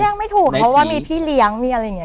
ยังไม่ถูกเพราะว่ามีพี่เลี้ยงมีอะไรอย่างนี้